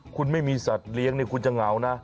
คุณไม่มีสัตว์เลี้ยงคุณจะเหงานะ